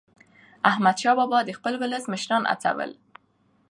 احمدشاه بابا به د خپل ولس مشران هڅول.